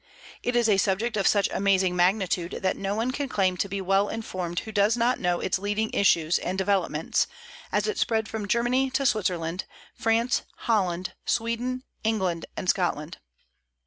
It is a subject of such amazing magnitude that no one can claim to be well informed who does not know its leading issues and developments, as it spread from Germany to Switzerland, France, Holland, Sweden, England, and Scotland.